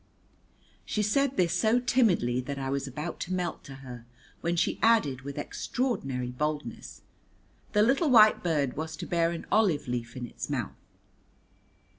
She said this so timidly that I was about to melt to her when she added with extraordinary boldness, "The little white bird was to bear an olive leaf in its mouth."